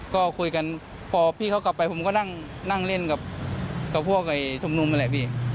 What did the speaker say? ก็คุยกันพอพี่เขากลับไปผมก็นั่งเล่นกับพวกชุมนุมนั่นแหละพี่